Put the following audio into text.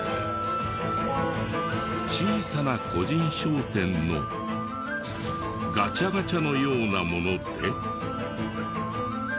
小さな個人商店のガチャガチャのようなもので。